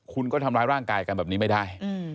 คุณก็ทำร้ายร่างกายกันแบบนี้ไม่ได้